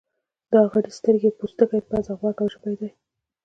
دا غړي سترګې، پوستکی، پزه، غوږ او ژبه دي.